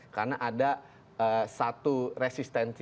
karena ada satu resistensi